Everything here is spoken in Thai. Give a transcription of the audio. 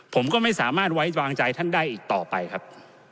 ผมก็ไม่สามารถไว้วางใจท่านได้อีกต่อไปครับ